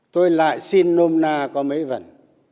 tôi lại xin nôm na có mấy vần